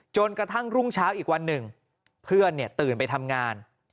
จนกระทั่งรุ่งเช้าอีกวันหนึ่งเพื่อนตื่นไปทำงาน